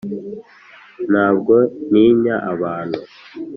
ntabwo ntinya abantu